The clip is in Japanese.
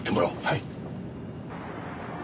はい。